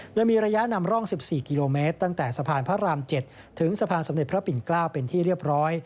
โดยมีระยะนำร่อง๑๔กิโลเมตรตั้งแต่สะพานพระราม๗ถึงสะพานสมเด็จพระปิ่นเกล้าเป็นที่เรียบร้อย